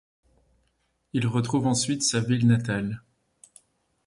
Il retrouve ensuite sa ville natale.